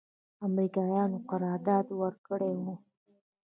امریکایانو قرارداد ورکړی و.